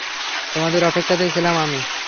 তোমাদের অপেক্ষাতেই ছিলাম আমি।